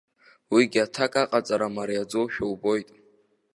Уигьы аҭак аҟаҵара мариаӡоушәа убоит.